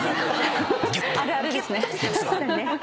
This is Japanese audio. あるあるですね。